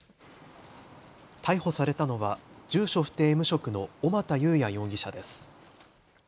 逮捕されたのは住所不定、無職の小俣裕哉容疑者です。